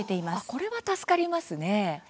これは助かりますね。